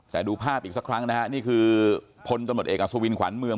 แต่ดูภาพอีกสักครั้งนะฮะนี่คือพลตำรวจเอกอสุวินขวัญเมือง